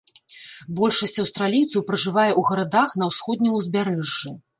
Большасць аўстралійцаў пражывае ў гарадах на ўсходнім узбярэжжы.